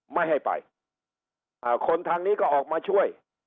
ไม่ให้ไปอ่าคนทางนี้ก็ออกมาช่วย